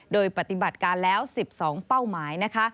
โดยปฏิบัติการแล้ว๑๒เป้าหมายนะคะ